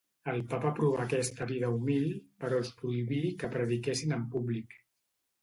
El papa aprovà aquesta vida humil, però els prohibí que prediquessin en públic.